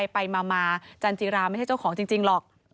ไปมาจันจิราไม่ใช่เจ้าของจริงหรอก